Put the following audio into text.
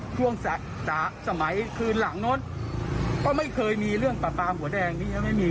ช่วงสระสมัยคืนหลังนั้นก็ไม่เคยมีเรื่องปลาปลาหัวแดงนี้